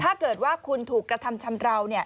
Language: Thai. ถ้าเกิดว่าคุณถูกกระทำชำราว